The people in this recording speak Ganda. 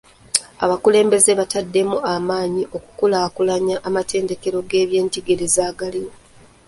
Abakulembeze bataddemu amaanyi okukulaakulanya amatendekero g'ebyenjigiriza agaliwo.